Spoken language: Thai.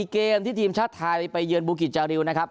เกมที่ทีมชาติไทยไปเยือนบูกิจจาริวนะครับ